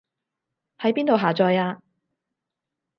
喺邊度下載啊